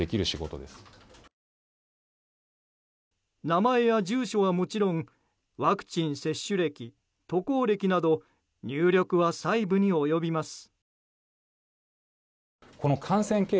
名前や住所はもちろんワクチン接種歴渡航歴など入力は細部に及びます。